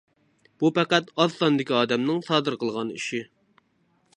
بۇ پەقەت ئاز ساندىكى ئادەمنىڭ سادىر قىلغان ئىشى.